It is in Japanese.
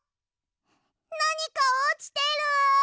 なにかおちてる！